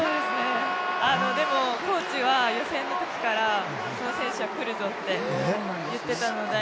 でもコーチは予選のときからこの選手はくるぞって言ってたので。